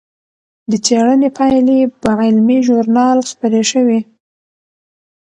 د څېړنې پایلې په علمي ژورنال خپرې شوې.